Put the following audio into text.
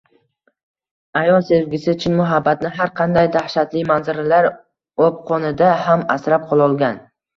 Ayol sevgisi, chin muhabbatni har qanday dahshatli manzaralar o‘pqonida ham asrab qololgan